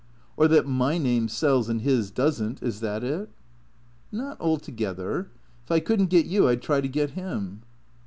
"Or that my name sells and his doesn't. Is that it?" " Not altogether. If I could n't get you I ^d try to get him."